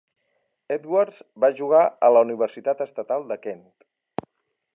Edwards va jugar a la Universitat Estatal de Kent.